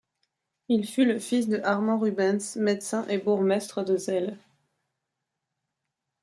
Il fut le fils de Armand Rubbens, médecin et bourgmestre de Zele.